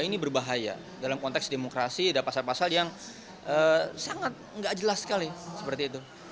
ini berbahaya dalam konteks demokrasi dan pasal pasal yang sangat nggak jelas sekali seperti itu